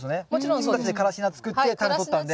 自分たちでカラシナつくってタネとったんで。